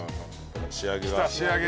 きた仕上げ。